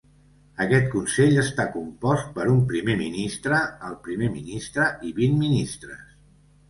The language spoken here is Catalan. Aquest consell està compost per un Primer Ministre, el Primer Ministre i vint ministres.